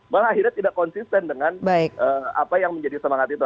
malah akhirnya tidak konsisten dengan apa yang menjadi semangat itu